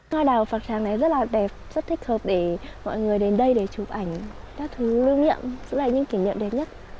hoa đào phạc tràng này rất là đẹp rất thích hợp để mọi người đến đây để chụp ảnh các thứ lưu niệm giữ lại những kỉ niệm đẹp nhất